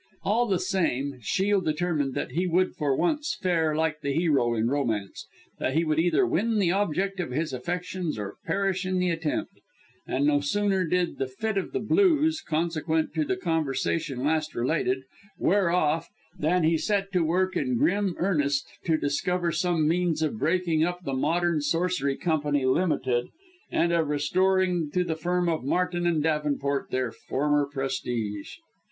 All the same, Shiel determined that he would for once fare like the hero in romance that he would either win the object of his affections or perish in the attempt; and no sooner did the fit of the blues, consequent on the conversation just related, wear off, than he set to work in grim earnest to discover some means of breaking up the Modern Sorcery Company Ltd., and of restoring to the firm of Martin and Davenport their former prestige.